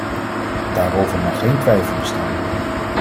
Daarover mag geen twijfel bestaan.